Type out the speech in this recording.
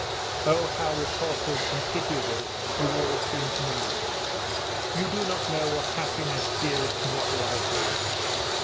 Oh, how repulsive and pitiable you all seem to me! You do not know what happiness is and what life is!